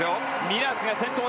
ミラークが先頭。